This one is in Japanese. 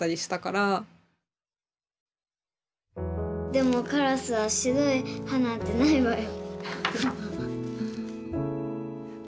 「でもカラスは白い歯なんてないわよ」。